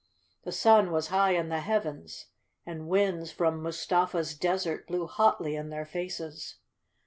The sun was high in the Heavens, and winds from Mustafa's desert blew hotly in their faces.